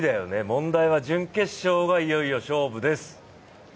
問題は準決勝がいよいよ勝負です。